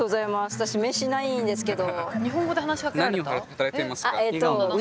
私名刺ないんですけど。